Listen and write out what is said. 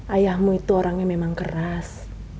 ayahmu itu orang yang memang keras